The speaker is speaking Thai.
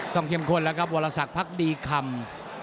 เข้มข้นแล้วครับวรสักพักดีคำ